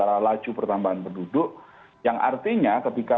apalagi untuk penduduk yang kelas dewasa di indonesia